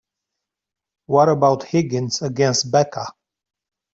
What about Higgins against Becca?